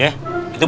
deketin tati pertama